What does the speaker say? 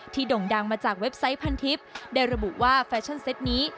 โด่งดังมาจากเว็บไซต์พันทิพย์ได้ระบุว่าแฟชั่นเซ็ตนี้